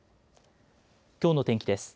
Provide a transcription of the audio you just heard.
きょうの天気です。